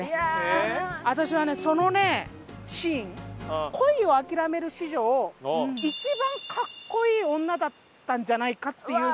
私はねそのねシーン恋を諦める史上一番かっこいい女だったんじゃないかっていうぐらい。